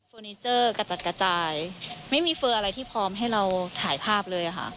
นิเจอร์กระจัดกระจายไม่มีเฟอร์อะไรที่พร้อมให้เราถ่ายภาพเลยค่ะ